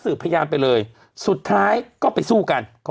กรมป้องกันแล้วก็บรรเทาสาธารณภัยนะคะ